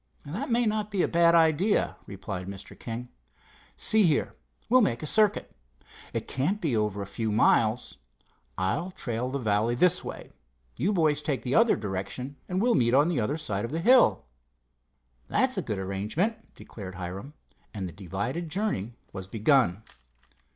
"That may not be a bad idea," replied Mr. King. "See here, we'll make a circuit. It can't be over a few miles. I'll trail the valley this way; you boys take the other direction, and we'll meet on the other side of the hill." "That's a good arrangement," declared Hiram; and the divided journey was begun.